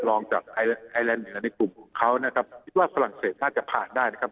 ลองจากไอแลนดเหนือในกลุ่มของเขานะครับคิดว่าฝรั่งเศสน่าจะผ่านได้นะครับ